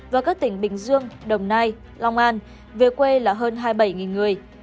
và các tỉnh bình dương đồng nai long an về quê là hơn hai mươi bảy người